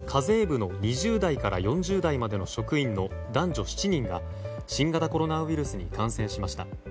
国税庁によりますと昨日までに課税部の２０代から４０代までの職員の男女７人が新型コロナウイルスに感染しました。